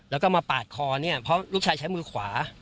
แล้วก็มาปาดคอเนี่ยเพราะลูกชายใช้มือขวา